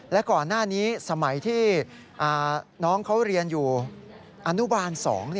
และก่อนหน้านี้สมัยที่น้องเขาเรียนอยู่อนุบาล๒